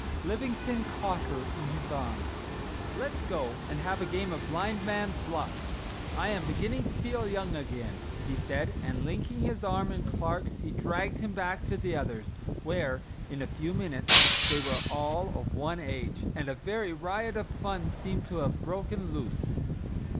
Livingstone caught her in his arms. "Let's go and have a game of blind man's buff. I am beginning to feel young again," he said, and linking his arm in Clark's, he dragged him back to the others, where, in a few minutes they were all of one age, and a very riot of fun seemed to have broken loose.